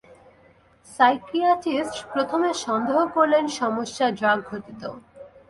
Psychiatrist প্রথমে সন্দেহ করলেন সমস্যা ড্রাগঘটিত।